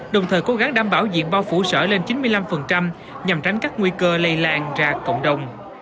đồng thời cố gắng đảm bảo diện bao phủ sở lên chín mươi năm nhằm tránh các nguy cơ lây lan ra cộng đồng